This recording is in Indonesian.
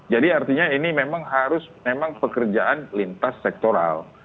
jadi artinya ini memang harus pekerjaan lintas sektoral